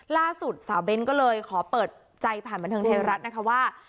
ล่าสุดสาวเบ้นก็เลยขอเปิดใจผ่านบันเทิงไทยรัฐนะคะว่า